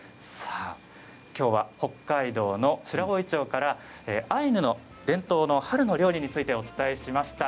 きょうは北海道の白老町からアイヌの伝統の春の料理についてお伝えしました。